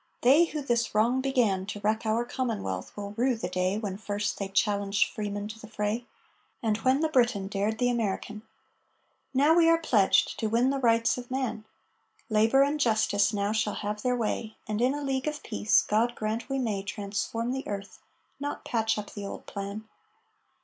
They who this wrong began To wreck our commonwealth, will rue the day When first they challenged freemen to the fray, And with the Briton dared the American. Now are we pledged to win the Rights of man; Labor and Justice now shall have their way, And in a League of Peace God grant we may Transform the earth, not patch up the old plan.